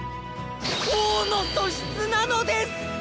王の素質なのです！